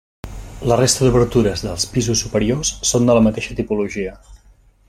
La resta d'obertures dels pisos superiors són de la mateixa tipologia.